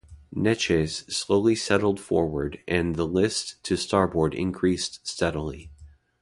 "Neches" slowly settled forward and the list to starboard increased steadily.